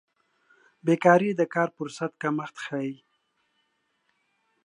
بیکاري د کار فرصت کمښت ښيي.